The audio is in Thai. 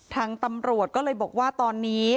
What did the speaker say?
ทางตำรวจก็เลยบอกว่าตอนนี้